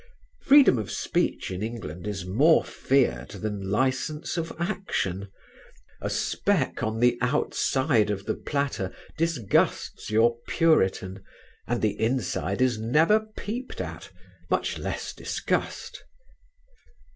Freedom of speech in England is more feared than licence of action: a speck on the outside of the platter disgusts your puritan, and the inside is never peeped at, much less discussed.